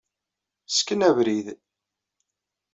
Ssken abrid.